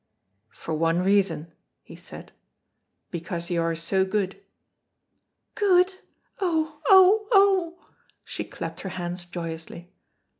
"For one reason," he said, "because you are so good." "Good! Oh! oh! oh!" She clapped her hands joyously.